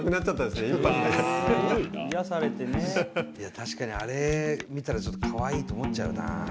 確かにあれ見たらちょっとかわいいと思っちゃうなあ。